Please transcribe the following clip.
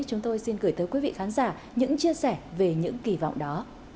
chúng tôi xin gửi tới quý vị khán giả những chia sẻ về những kỳ vọng đó